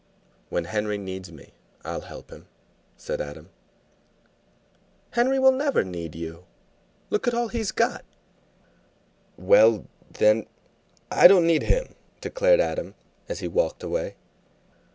"When Henry needs me, I'll help him," said Adam. "Henry will never need you. Look at all he's got!" "Well, then, I don't need him," declared Adam, as he walked away.